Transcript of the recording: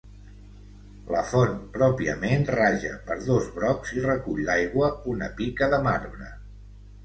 La font pròpiament raja per dos brocs i recull l'aigua una pica de marbre.